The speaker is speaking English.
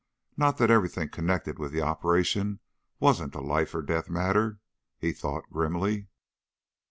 Not that everything connected with the operation wasn't a life or death matter, he thought grimly.